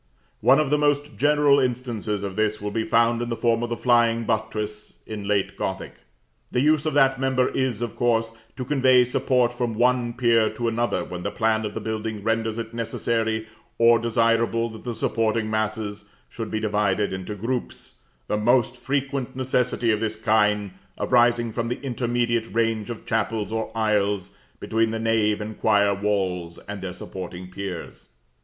One of the most general instances of this will be found in the form of the flying buttress in late Gothic. The use of that member is, of course, to convey support from one pier to another when the plan of the building renders it necessary or desirable that the supporting masses should be divided into groups, the most frequent necessity of this kind arising from the intermediate range of chapels or aisles between the nave or choir walls and their supporting piers.